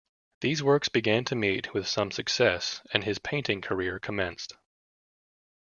These works began to meet with some success and his painting career commenced.